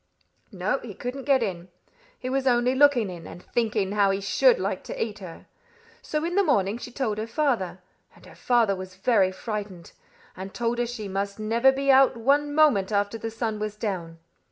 "No; he couldn't get in. He was only looking in, and thinking how he should like to eat her. So in the morning she told her father. And her father was very frightened, and told her she must never be out one moment after the sun was down.